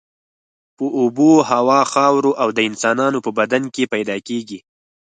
په اوبو، هوا، خاورو او د انسانانو په بدن کې پیدا کیږي.